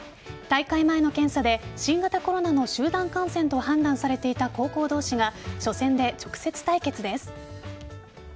大会前の検査で新型コロナの集団感染と判断されていた高校同士が初戦で直接対決です。